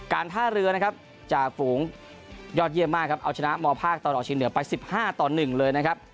ท่าเรือนะครับจ่าฝูงยอดเยี่ยมมากครับเอาชนะมภาคตลอดชิงเหนือไป๑๕ต่อ๑เลยนะครับ